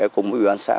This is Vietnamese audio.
cũng ủy ban xã